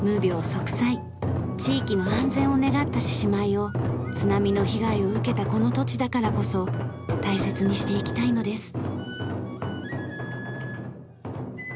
息災地域の安全を願った獅子舞を津波の被害を受けたこの土地だからこそ大切にしていきたいのです。